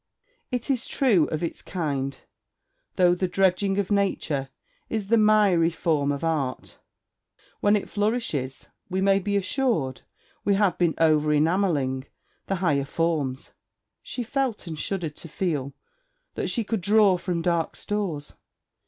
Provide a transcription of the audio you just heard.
It is true of its kind, though the dredging of nature is the miry form of art. When it flourishes we may be assured we have been overenamelling the higher forms. She felt, and shuddered to feel, that she could draw from dark stores.